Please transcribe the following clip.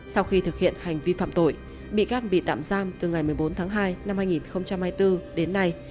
sau khi thực hiện hành vi phạm tội bị can bị tạm giam từ ngày một mươi bốn tháng hai năm hai nghìn hai mươi bốn đến nay